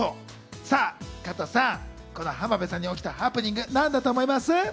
加藤さん、この浜辺さんに起きたハプニング、なんだと思います？